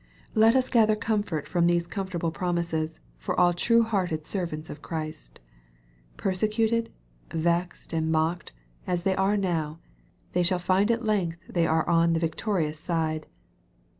Let us gather comfort from these comfortable promises for all true hearted servants of Christ. Persecuted, vexed, and mocked, as they are now, they shall find at length they are on the victorious side.